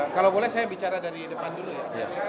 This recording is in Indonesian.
kalau boleh saya bicara dari depan dulu ya